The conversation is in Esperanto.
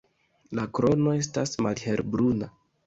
La krono estas malhelbruna.